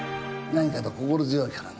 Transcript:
何かと心強いからね。